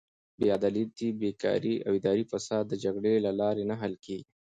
بېعدالتي، بېکاري او اداري فساد د جګړې له لارې نه حل کیږي.